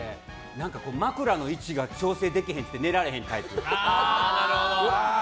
何か枕の位置が調整できへんって言って寝られへんタイプ。